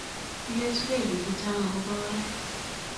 igesugei biik chechang agoba oret